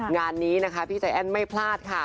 งานนี้นะคะพี่ใจแอ้นไม่พลาดค่ะ